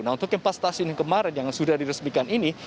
nah untuk empat stasiun yang kemarin yang sudah diresmikan ini